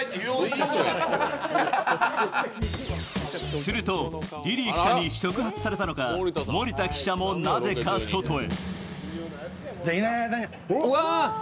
すると、リリー記者に触発されたのか、森田記者もなぜか外へ。